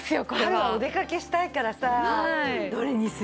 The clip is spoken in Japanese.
春はお出かけしたいからさどれにする？